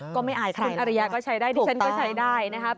ก็ไม่อายใครแล้วนะครับถูกต้องคุณอริยาก็ใช้ได้ดิเซนก็ใช้ได้นะครับ